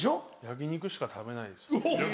焼き肉しか食べないです。